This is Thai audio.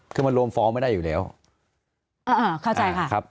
คือมันรวมฟ้องไม่ได้อยู่แล้วอ่าเข้าใจค่ะครับ